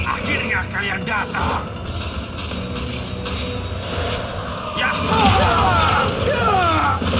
akhirnya kalian datang